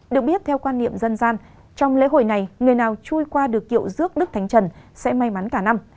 được biết theo quan niệm dân gian trong lễ hội này người nào chui qua được kiệu rước đức thánh trần sẽ may mắn cả năm